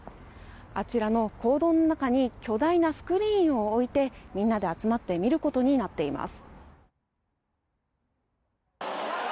あちらの講堂の中に巨大なスクリーンを置いてみんなで集まって見ることになっています。